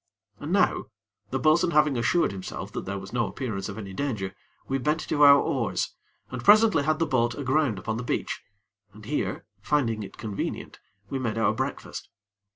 And now, the bo'sun having assured himself that there was no appearance of any danger, we bent to our oars, and presently had the boat aground upon the beach, and here, finding it convenient, we made our breakfast.